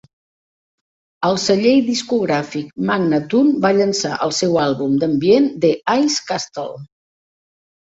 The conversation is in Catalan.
El segell discogràfic Magnatune va llançar el seu àlbum d'ambient "The Ice Castle".